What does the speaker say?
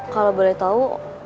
kalo boleh tau